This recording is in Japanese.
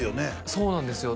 そうなんですよ